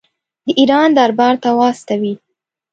د ایران دربار ته واستوي.